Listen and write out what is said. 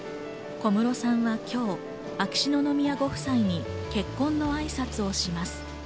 小室さんは今日、秋篠宮ご夫妻に結婚の挨拶をします。